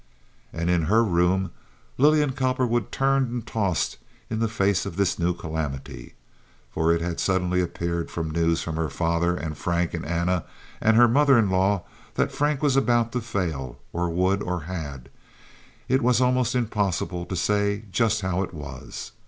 And in her room Lillian Cowperwood turned and tossed in the face of this new calamity. For it had suddenly appeared from news from her father and Frank and Anna and her mother in law that Frank was about to fail, or would, or had—it was almost impossible to say just how it was.